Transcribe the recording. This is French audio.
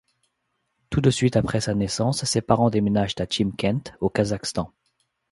Tout de suite après sa naissance, ses parents déménagent à Chimkent, au Kazakhstan.